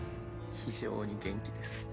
非常に元気です。